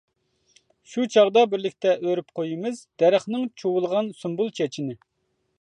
شۇ چاغدا بىرلىكتە ئۆرۈپ قويىمىز، دەرەخنىڭ چۇۋۇلغان سۇمبۇل چېچىنى.